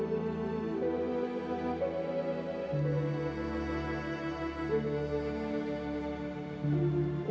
aetniknya juga bu